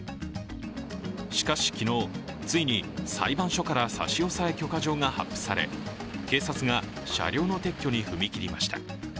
しかし、昨日、ついに裁判所から差押許可状が発付され警察が車両の撤去に踏み切りました。